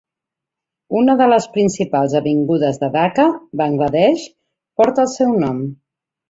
Una de les principals avingudes de Dhaka, Bangla Desh, porta el seu nom.